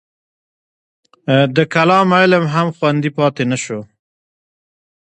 د کلام علم هم خوندي پاتې نه شو.